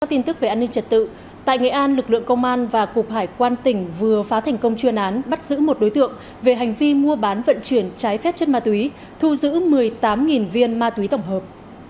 tin tức về an ninh trật tự tại nghệ an lực lượng công an và cục hải quan tỉnh vừa phá thành công chuyên án bắt giữ một đối tượng về hành vi mua bán vận chuyển trái phép chất ma túy thu giữ một mươi tám viên ma túy tổng hợp